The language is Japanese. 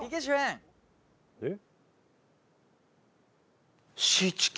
えっ？